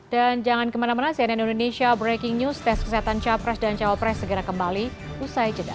dan jangan kemana mana cnn indonesia breaking news tes kesehatan capres dan cowopres segera kembali usai jeda